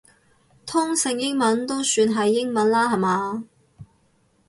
通勝英文都算係英文啦下嘛